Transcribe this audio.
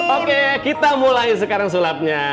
oke kita mulai sekarang sulapnya